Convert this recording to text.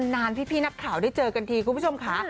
นานพี่นักข่าวได้เจอกันทีคุณผู้ชมค่ะ